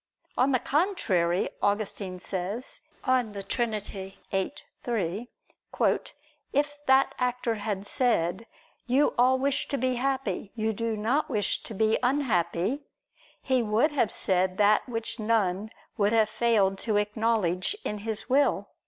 On the contrary, Augustine says (De Trin. xiii, 3): "If that actor had said: 'You all wish to be happy; you do not wish to be unhappy,' he would have said that which none would have failed to acknowledge in his will."